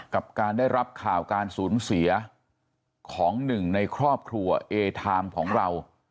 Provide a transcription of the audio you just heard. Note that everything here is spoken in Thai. กับการได้รับข่าวการสูญเสียของหนึ่งในครอบครัวเอทามของเรา